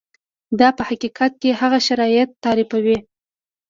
دا په حقیقت کې هغه شرایط تعریفوي.